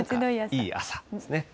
いい朝ですね。